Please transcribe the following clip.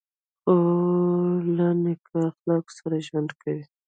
خور له نیک اخلاقو سره ژوند کوي.